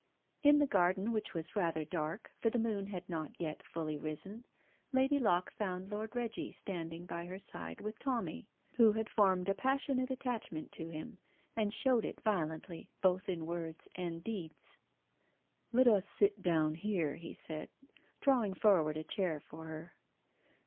In the garden, which was rather dark, for the moon had not yet fully risen, Lady Locke found Lord Reggie standing by her side with Tommy, who had formed a passionate attachment to him, and showed it violently both in words and deeds. "Let us sit down here," he said, drawing forward a chair for her.